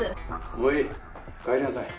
もういい帰りなさい。